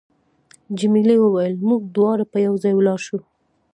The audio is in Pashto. جميلې وويل: موږ دواړه به یو ځای ولاړ شو.